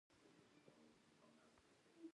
پکتیکا پراخه دښتې لري